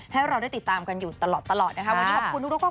ให้เราได้ติดตามกันอยู่ตลอดนะคะ